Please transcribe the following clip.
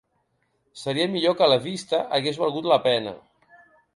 Seria millor que la vista hagués valgut la pena.